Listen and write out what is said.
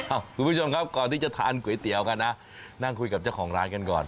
คุณผู้ชมครับก่อนที่จะทานก๋วยเตี๋ยวกันนะนั่งคุยกับเจ้าของร้านกันก่อน